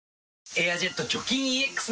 「エアジェット除菌ＥＸ」